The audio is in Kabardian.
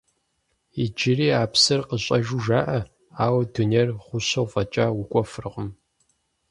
Иджыри а псыр къыщӀэжу жаӀэ, ауэ дунейр гъущэу фӀэкӀа укӀуэфыркъым.